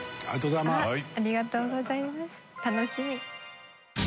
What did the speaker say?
ありがとうございます。